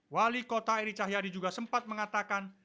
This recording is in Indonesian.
wali kota eri cahyadi juga sempat mengatakan